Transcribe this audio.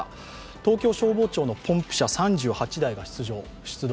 東京消防庁のポンプ車３８台が出動。